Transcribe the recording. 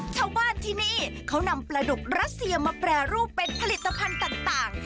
ชาวบ้านที่นี่เขานำปลาดุกรัสเซียมาแปรรูปเป็นผลิตภัณฑ์ต่าง